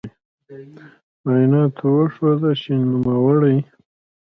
معایناتو وښوده چې د نوموړې